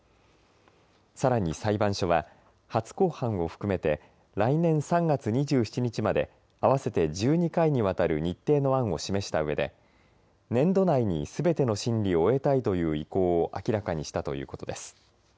さらに裁判所は初公判を含めて来年３月２７日まで合わせて１２回にわたる日程の案を示したうえで年度内に、すべての審理を終えたいという意向を明らかにしたということです。